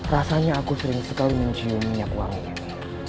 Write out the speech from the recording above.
rasanya aku sering sekali mencium minyak wangi